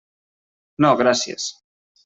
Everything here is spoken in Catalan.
No, gràcies.